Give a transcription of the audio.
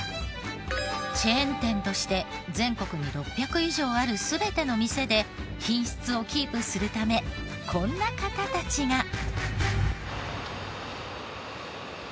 チェーン店として全国に６００以上ある全ての店で品質をキープするためこんな方たちが。